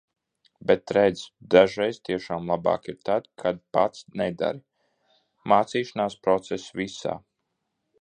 Bet redz, dažreiz tiešām labāk ir tad, kad pats nedari. Mācīšanās process visā.